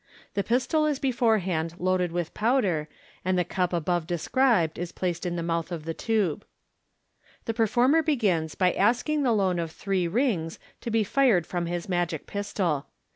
The pistol is before hand loaded with powder, and the cup above described is placed in the mouth of the tube. The performer begins by asking the loan of three rings, to be fired from his magic pistol.